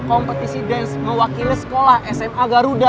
kompetisi dance mewakili sekolah sma garuda